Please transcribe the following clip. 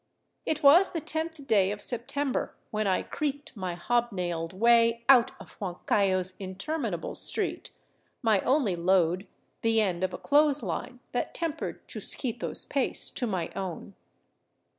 It was the tenth day of September when I creaked my hobnailed way otit of Huancayo's interminable street, my only load the end of a clothes line that tempered Chusquito's pace to my own.